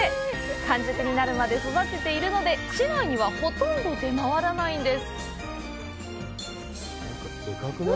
完熟になるまで育てているので、市外にはほとんど出回らないんです。